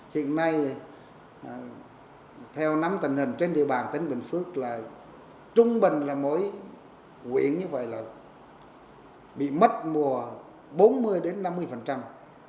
hiện nay theo nắm tình hình trên địa bàn tỉnh bình phước là trung bình là mỗi quyển như vậy là bị mất mùa bốn mươi đến năm mươi